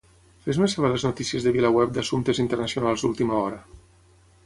Fes-me saber les notícies de "VilaWeb" d'assumptes internacionals d'última hora.